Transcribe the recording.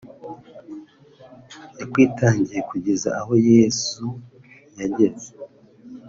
yakwitangiye kugeza aho Yezu yageze